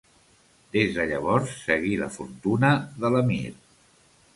Des de llavors seguir la fortuna de l'emir.